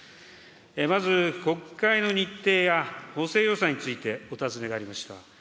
まず、国会の日程や補正予算について、お尋ねがありました。